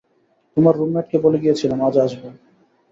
তোমার রুমমেটকে বলে গিয়েছিলাম, আজ আসব।